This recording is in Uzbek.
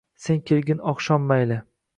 Sen kelgin oqshom, mayli